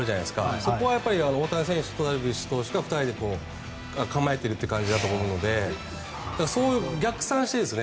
そこは大谷選手とダルビッシュ投手が２人で構えているという感じだと思うので逆算してですね。